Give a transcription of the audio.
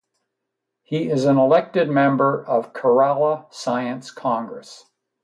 He is an elected member of Kerala Science Congress.